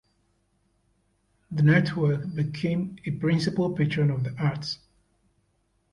The network became a principal patron of the arts.